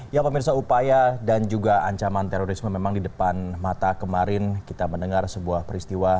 ya pemirsa upaya dan juga ancaman terorisme memang di depan mata kemarin kita mendengar sebuah peristiwa